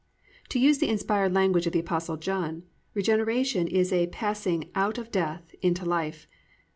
"+ To use the inspired language of the Apostle John, regeneration is a passing "out of death into life."